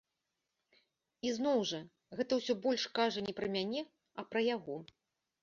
Ізноў жа, гэта ўсё больш кажа не пра мяне, а пра яго.